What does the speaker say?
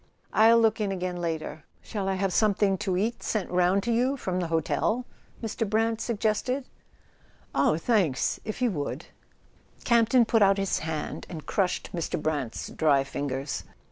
"I'll look in again later. Shall I have something to eat sent round to you from the hotel?" Mr. Brant suggested. "Oh, thanks—if you would." [ 282 ] A SON AT THE FRONT Campton put out his hand and crushed Mr. Brant's dry fingers.